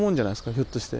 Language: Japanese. ひょっとして。